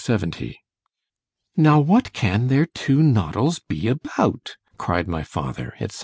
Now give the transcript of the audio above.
LXX ——"Now what can their two noddles be about?" cried my father &c.